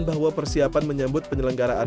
bahwa persiapan menyambut penyelenggaraan